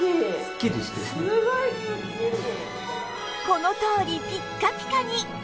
このとおりピッカピカに！